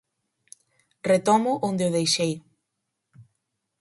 Retómoo onde o deixei.